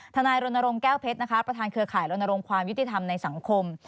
นายรณรงค์แก้วเพชรนะคะประธานเครือข่ายรณรงค์ความยุติธรรมในสังคม